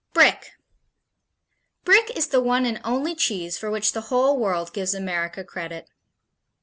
Brick Brick is the one and only cheese for which the whole world gives America credit.